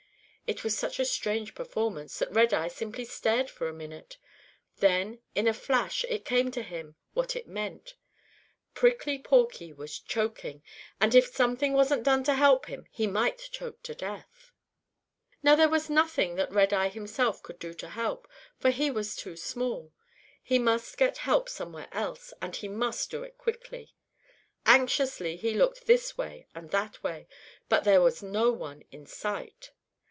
It was such a strange performance that Redeye simply stared for a minute. Then in a flash it came to him what it meant. Prickly Porky was choking, and if something wasn't done to help him, he might choke to death! Now there was nothing that Redeye himself could do to help, for he was too small. He must get help somewhere else, and he must do it quickly. Anxiously he looked this way and that way, but there was no one in sight.